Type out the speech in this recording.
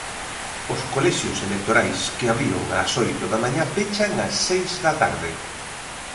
Os colexios electorais, que abriron ás oito da mañá, pechan ás seis da tarde.